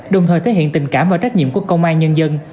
đồng thời thể hiện tình cảm và trách nhiệm của công an nhân dân